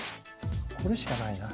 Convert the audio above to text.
これしかないな。